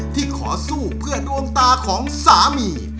ที่ขอสู้เพื่อดวงตาของสามี